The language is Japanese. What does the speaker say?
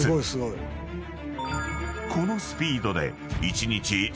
［このスピードで］